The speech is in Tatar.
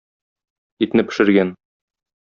Итне пешергән.